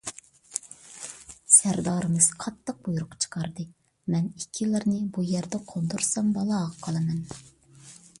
سەردارىمىز قاتتىق بۇيرۇق چىقاردى، مەن ئىككىلىرىنى بۇ يەردە قوندۇرسام بالاغا قالىمەن.